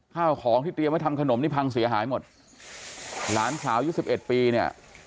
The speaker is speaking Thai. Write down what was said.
ข้าวของที่เตรียมไว้ทำขนมนี่พังเสียหายหมดหลานสาวยุคสิบเอ็ดปีเนี่ย